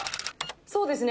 そうですね